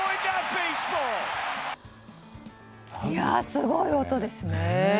すごい音ですね。